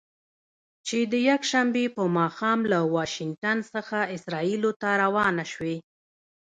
چې د یکشنبې په ماښام له واشنګټن څخه اسرائیلو ته روانه شوې.